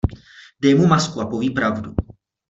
Dej mu masku a poví pravdu.